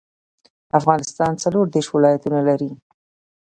افغانستان څلور ديرش ولايتونه لري.